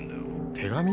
「手紙」？